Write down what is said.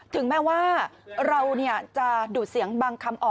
ถึงแม่ว่าเราจะดูดเสียงบางที